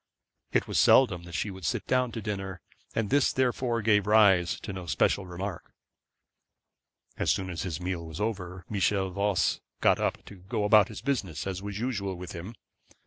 It was seldom that she would sit down to dinner, and this therefore gave rise to no special remark. As soon as his meal was over, Michel Voss got up to go out about his business, as was usual with him.